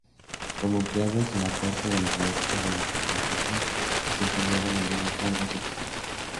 Como empleados de la corte del rey o del cacique, desempeñaban algunos cargos oficiales.